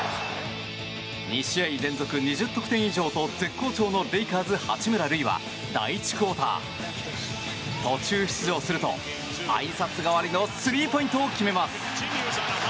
２試合連続２０得点以上と絶好調のレイカーズ、八村塁は第１クオーター途中出場するとあいさつ代わりのスリーポイントを決めます。